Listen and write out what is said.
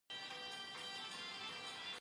د افغانستان طبیعت له سلیمان غر څخه جوړ شوی دی.